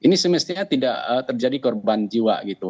ini semestinya tidak terjadi korban jiwa gitu